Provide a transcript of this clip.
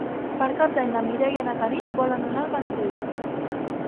Per Cap d'Any na Mireia i na Tanit volen anar al Vendrell.